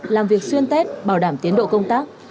làm việc xuyên tết bảo đảm tiến độ công tác